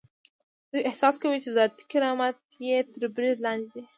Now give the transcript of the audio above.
دوی احساس کوي چې ذاتي کرامت یې تر برید لاندې دی.